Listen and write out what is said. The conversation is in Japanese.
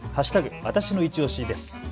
わたしのいちオシです。